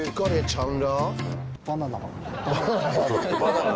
バナナ。